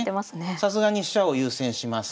さすがに飛車を優先します。